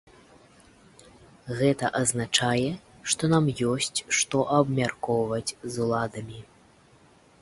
Гэта азначае, што нам ёсць што абмяркоўваць з уладамі.